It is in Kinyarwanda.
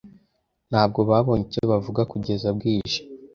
Ntabwo babonye icyo bavuga kugeza bwije.